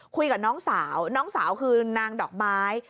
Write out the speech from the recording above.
คุยกับน้องสาวน้องสาวคือนางดอกไม้